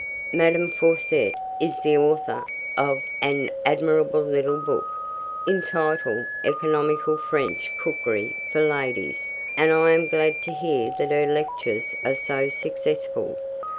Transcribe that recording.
Madame Fawssett is the author of an admirable little book, entitled Economical French Cookery for Ladies, and I am glad to hear that her lectures are so successful.